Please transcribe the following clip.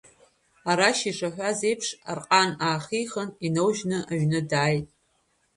Арашь ишаҳәаз еиԥш, арҟан аахихын, инаужьны аҩны дааит.